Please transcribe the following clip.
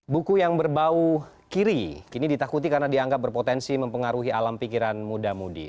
buku yang berbau kiri kini ditakuti karena dianggap berpotensi mempengaruhi alam pikiran muda mudi